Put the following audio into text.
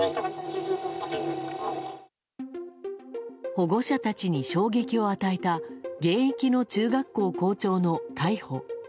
保護者たちに衝撃を与えた現役の中学校校長の逮捕。